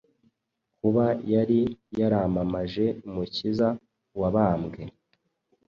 Kuba yari yaramamaje Umukiza wabambwe